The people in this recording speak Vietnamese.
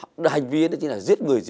từ khi tôi giết người